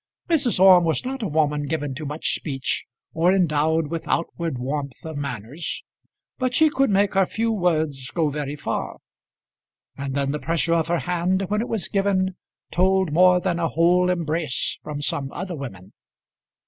Mrs. Orme was not a woman given to much speech or endowed with outward warmth of manners, but she could make her few words go very far; and then the pressure of her hand, when it was given, told more than a whole embrace from some other women.